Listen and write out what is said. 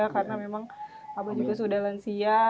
karena memang abbas juga sudah lansia